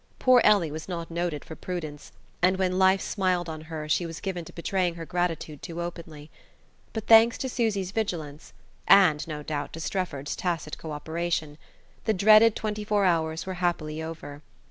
Poor Ellie was not noted for prudence, and when life smiled on her she was given to betraying her gratitude too openly; but thanks to Susy's vigilance (and, no doubt, to Strefford's tacit co operation), the dreaded twenty four hours were happily over.